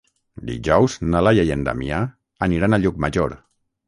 Dijous na Laia i en Damià aniran a Llucmajor.